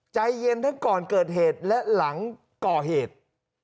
ใจเย็นทั้งก่อนเกิดเหตุและหลังก่อเหตุ